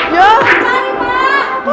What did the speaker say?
yoh kecilin pak